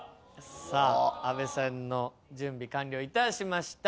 さあ阿部さんの準備完了いたしました。